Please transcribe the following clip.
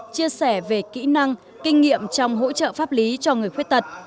chia sẻ về kỹ năng kinh nghiệm trong hỗ trợ pháp lý cho người khuyết tật